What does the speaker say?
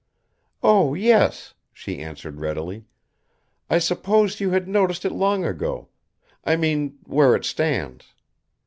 "Oh, yes," she answered readily. "I supposed you had noticed it long ago; I mean, where it stands.